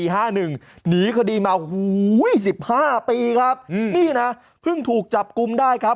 หนีคดีมา๑๕ปีครับนี่นะเพิ่งถูกจับกลุ่มได้ครับ